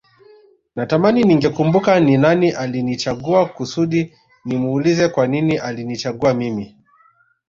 Natamani ningekumbuka ni nani alinichagua kusudi nimuulize kwa nini alinichagua mimi